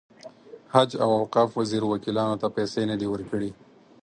حج او اوقاف وزیر وکیلانو ته پیسې نه دي ورکړې.